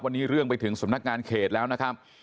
วันนี้เรื่องไปถึงสำนักงานเขตแล้วนะครับ